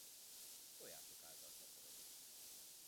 Tojások által szaporodik.